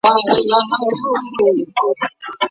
طبي پوهنځۍ په ناسمه توګه نه رهبري کیږي.